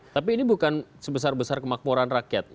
tapi ini bukan sebesar besar kemakmuran rakyat